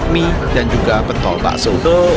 mie dan juga bentol bakso